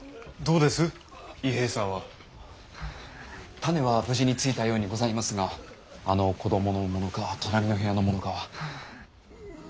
種は無事についたようにございますがあの子どものものか隣の部屋のものかは。